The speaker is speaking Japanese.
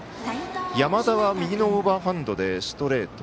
山田は右のオーバーハンドでストレート。